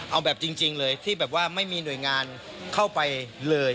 เอาแบบจริงเลยที่แบบว่าไม่มีหน่วยงานเข้าไปเลย